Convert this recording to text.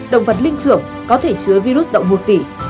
động vật linh trưởng có thể chữa virus đậu mùa khỉ